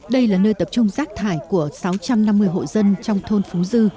đây là nơi tập trung rác thải của sáu trăm năm mươi hộ dân trong thôn phú dư